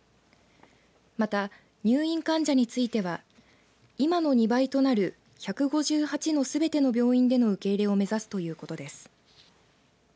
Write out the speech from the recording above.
また、入院患者については今の２倍となる１５８のすべての病院での受け入れを目指すということです。